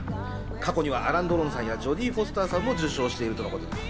過去にはアラン・ドロンさんや、ジョディ・フォスターさんも受賞しているということ。